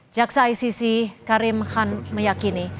jaksa icc karim han meyakini